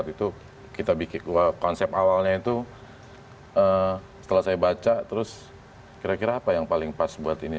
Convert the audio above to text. itu kita bikin konsep awalnya itu setelah saya baca terus kira kira apa yang paling pas buat ini